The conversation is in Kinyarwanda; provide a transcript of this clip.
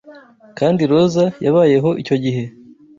Kandi roza yabayeho icyo gihe